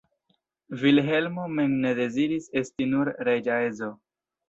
Vilhelmo mem ne deziris esti nur reĝa edzo.